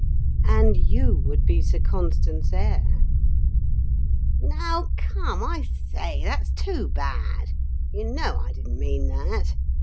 "And you would be Sir Constans' heir!" "Now, come, I say; that's too bad. You know I didn't mean that.